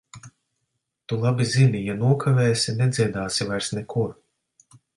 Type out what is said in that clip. Tu labi zini - ja nokavēsi, nedziedāsi vairs nekur.